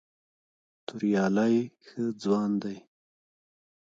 توریالی ښه ځوان دی.